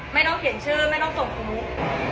ไม่ต้องเขียนชื่อไม่ต้องส่งคุณมุก